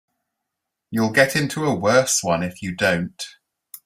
You'll get into a worse one if you don't.